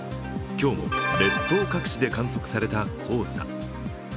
今日も列島各地で観測された黄砂。